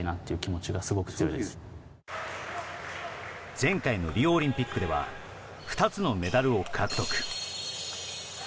前回のリオオリンピックでは２つのメダルを獲得。